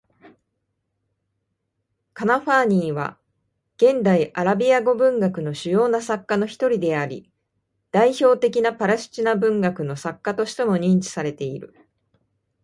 カナファーニーは、現代アラビア語文学の主要な作家の一人であり、代表的なパレスチナ文学の作家としても認知されている。